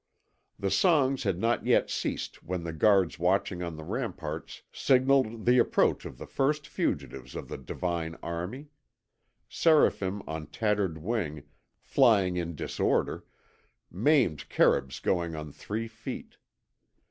The songs had not yet ceased when the guards watching on the ramparts signalled the approach of the first fugitives of the divine army; Seraphim on tattered wing, flying in disorder, maimed Kerûbs going on three feet.